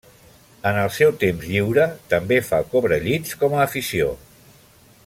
En el seu temps lliure, també fa cobrellits com a afició.